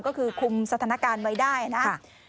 ก็คือคุมสถานการณ์ไว้ได้นะครับ